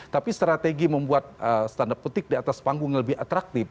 tapi strategi membuat tanda petik di atas panggung yang lebih atraktif